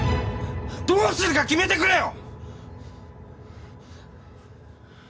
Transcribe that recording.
どうするか決めてくれよ！